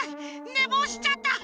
ねぼうしちゃった。